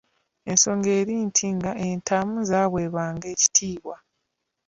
Ensonga eri nti nga entamu zaaweebwanga ekitiibwa.